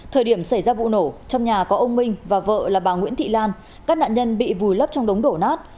thời điểm xảy ra vụ nổ trong nhà có ông minh và vợ là bà nguyễn thị lan các nạn nhân bị vùi lấp trong đống đổ nát